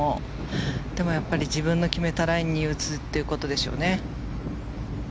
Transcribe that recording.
でも自分の決めたラインに打つということでしょうね。